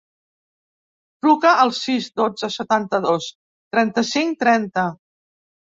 Truca al sis, dotze, setanta-dos, trenta-cinc, trenta.